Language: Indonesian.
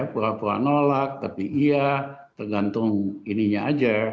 pura pura nolak tapi iya tergantung ininya aja